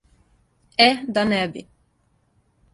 Е, да не би!